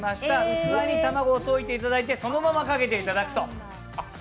器に卵を溶いていただいて、そのままかけていただくと。